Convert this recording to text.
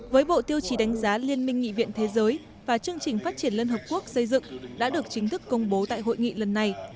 với bộ tiêu chí đánh giá liên minh nghị viện thế giới và chương trình phát triển liên hợp quốc xây dựng đã được chính thức công bố tại hội nghị lần này